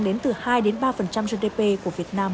đến từ hai đến ba gdp của việt nam